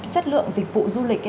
chất lượng dịch vụ du lịch